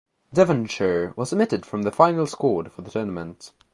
Devonshire was omitted from the final squad for the tournament.